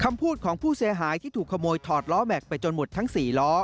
คำพูดของผู้เสียหายที่ถูกขโมยถอดล้อแม็กซไปจนหมดทั้ง๔ล้อ